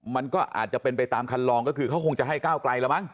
มันก็อาจจะเป็นไปตามคันลองก็คือเขาคงจะให้ก้าวไกลแล้วมั้ง